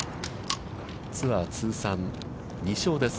ツアー通算２勝です。